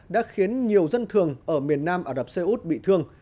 đã khiến nhiều dân thường ở miền nam ả rập xê út bị thương